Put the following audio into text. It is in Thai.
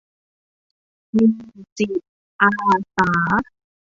มีจิตอาสา